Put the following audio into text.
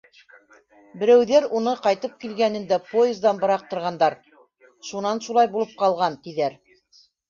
Берәүҙәр уны ҡайтып килгәнендә поездан быраҡтырғандар, шунан шулай булып ҡалған, тиҙәр.